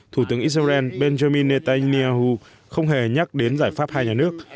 thủ tướng israel benjamin netanyahu không hề nhắc đến giải pháp hai nhà nước